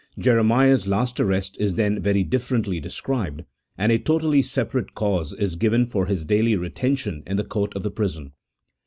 Jere miah's last arrest is then very differently described, and a totally separate cause is given for his daily retention in the court of the prison.